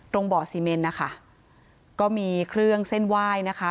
บ่อซีเมนนะคะก็มีเครื่องเส้นไหว้นะคะ